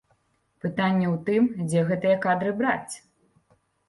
Пытанне ў тым, дзе гэтыя кадры браць.